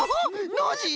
ノージー